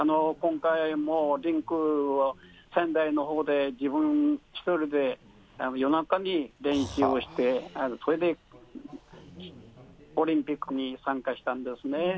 今回、もうリンクを、仙台のほうで自分一人で夜中に練習をして、それでオリンピックに参加したんですね。